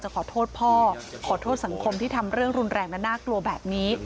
ขอโทษพ่อขอโทษสังคมที่ทำเรื่องรุนแรงและน่ากลัวแบบนี้